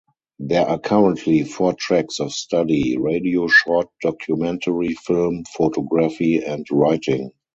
There are currently four tracks of study: Radio, Short Documentary Film, Photography, and Writing.